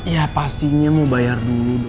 ya pastinya mau bayar dulu